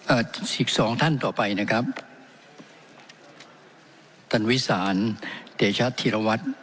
อีกสองท่านต่อไปนะครับท่านวิสานเตชะธีรวัตร